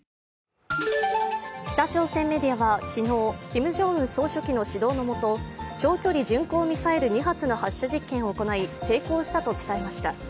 北朝鮮メディアは昨日、キム・ジョンウン総書記の指導の下長距離巡航ミサイル２発の発射実験を行い、成功したと伝えました。